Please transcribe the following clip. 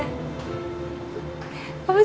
apa senyum dong